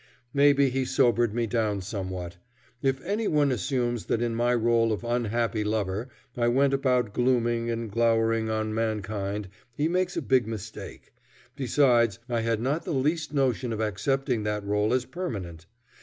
Maybe he sobered me down somewhat. If any one assumes that in my role of unhappy lover I went about glooming and glowering on mankind, he makes a big mistake. Besides, I had not the least notion of accepting that role as permanent.